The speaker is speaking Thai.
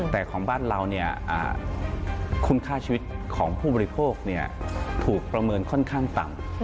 แต่ของบ้านเราคุณค่าชีวิตของผู้บริโภคถูกประเมินค่อนข้างต่ำ